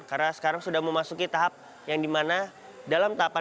karena sekarang sudah memasuki tahap yang dimana